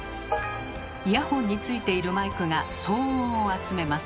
イヤホンについているマイクが騒音を集めます。